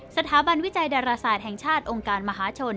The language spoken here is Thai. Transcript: สถาบันวิจัยดาราศาสตร์แห่งชาติองค์การมหาชน